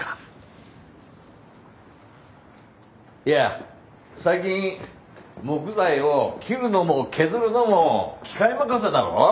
いや最近木材を切るのも削るのも機械任せだろ。